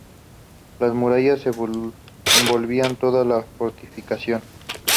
Las murallas envolvían toda la fortificación.